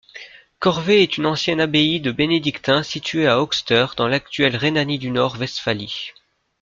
Corvey est une ancienne abbaye de bénédictins située à Höxter, dans l'actuelle Rhénanie-du-Nord-Westphalie.